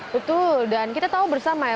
betul dan kita tahu bersama ya